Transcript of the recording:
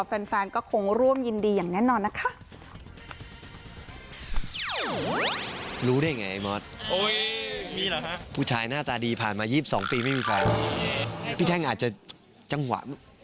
แฟนก็คงร่วมยินดีอย่างแน่นอนนะคะ